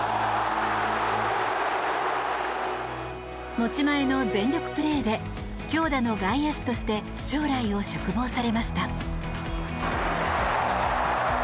持ち前の全力プレーで強打の外野手として将来を嘱望されました。